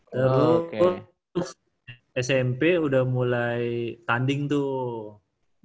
terus smp udah mulai tanding tuh